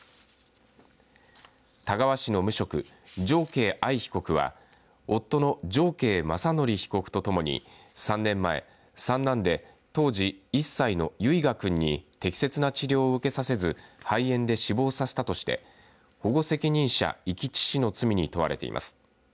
田川市の無職常慶藍被告は夫の常慶雅則被告とともに３年前、３男で当時１歳の唯雅くんに適切な治療を受けさせず肺炎で死亡させたとして保護責任者遺棄致死の罪に問われています。